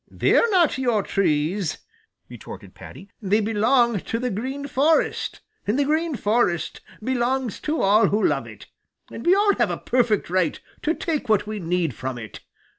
"They're not your trees," retorted Paddy. "They belong to the Green Forest, and the Green Forest belongs to all who love it, and we all have a perfect right to take what we need from it.